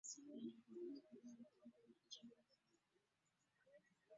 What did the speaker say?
Omusubbaawa gwa bulabe nnyo mu mayumba kuba gwokezza abangu bangi.